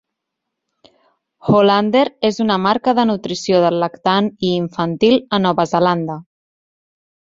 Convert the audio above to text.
Hollander és una marca de nutrició del lactant i infantil a Nova Zelanda.